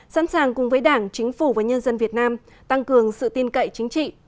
sẵn sàng cùng với đảng chính phủ và nhân dân việt nam tăng cường sự tin cậy chính trị